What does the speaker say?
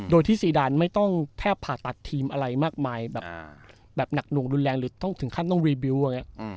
โดยที่ซีดานไม่ต้องแทบผ่าตัดทีมอะไรมากมายแบบหนักหน่วงรุนแรงหรือต้องถึงขั้นต้องรีบิวต์อย่างนี้